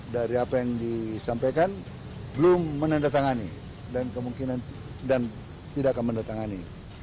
dari apa yang disampaikan belum menandatangani dan kemungkinan dan tidak akan menandatangani